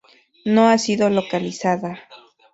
No ha sido localizada.